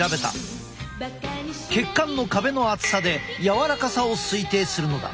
血管の壁の厚さで柔らかさを推定するのだ。